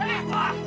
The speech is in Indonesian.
ngasih enggak om